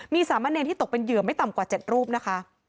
มีสามะเนรที่ตกเป็นเหยื่อไม่ต่ำกว่า๗รูปนะคะ